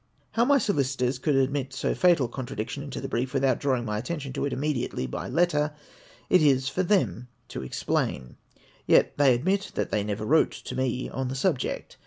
How my solicitors could admit so fatal a contradiction into the brief, without drawing my attention to it immediately by letter, it is for them to explain ; yet they admit that they never wrote to me on the subject.